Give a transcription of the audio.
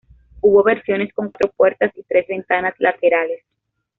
Hubo versiones con cuatro puertas y tres ventanas laterales.